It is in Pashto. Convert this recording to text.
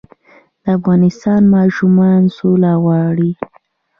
د افغانستان ماشومان سوله غواړي